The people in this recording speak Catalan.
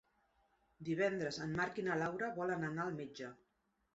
Divendres en Marc i na Laura volen anar al metge.